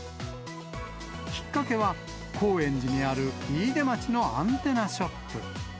きっかけは、高円寺にある飯豊町のアンテナショップ。